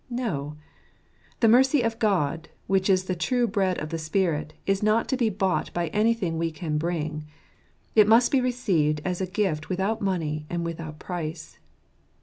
No ! the mercy of God, which is the true bread of the spirit, is not to be bought by anything we can bring; it must be received as a gift without money and without price.